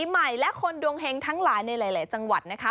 ใหม่และคนดวงเฮงทั้งหลายในหลายจังหวัดนะคะ